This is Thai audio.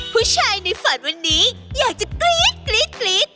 ผู้ชายในฝันวันนี้อยากจะกรี๊ดกรี๊ด